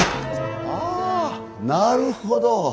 はあなるほど。